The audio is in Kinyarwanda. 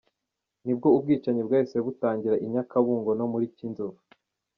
Ni bwo ubwicanyi bwahise butangira I Nyakabungo no muri Cyinzovu.